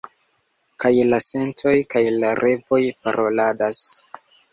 kaj la sentoj kaj la revoj paroladas?